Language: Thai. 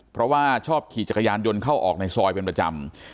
เพราะว่าชอบขี่จักรยานยนต์เข้าออกในซอยเป็นประจำ